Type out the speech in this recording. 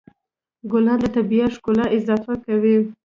ګلان د طبیعت ښکلا اضافه کوي.